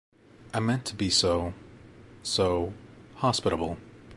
I meant to be so — so — hospitable.